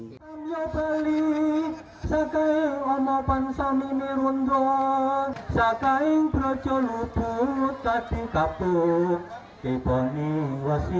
kami balik sekaing omopan sami mirundwa sekaing berjolobu tapi kaput kebani wasi